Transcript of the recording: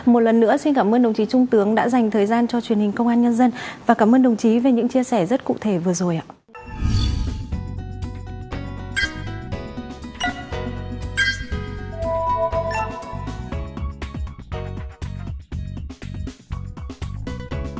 một lần nữa xin cảm ơn đồng chí trung tướng đã dành thời gian cho truyền hình công an nhân dân và cảm ơn đồng chí về những chia sẻ rất cụ thể vừa rồi ạ